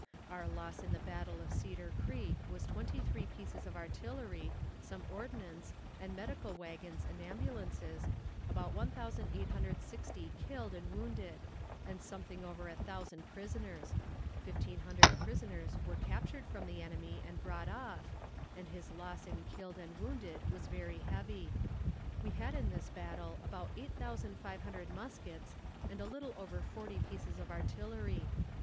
Our loss in the battle of Cedar Creek was twenty three pieces of artillery, some ordnance, and medical wagons and ambulances, about 1,860 killed and wounded, and something over a thousand prisoners; 1,500 prisoners were captured from the enemy and brought off, and his loss in killed and wounded was very heavy. We had in this battle about 8,500 muskets and a little over forty pieces of artillery.